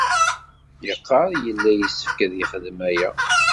Yeqqar yella yessefk ad yexdem aya.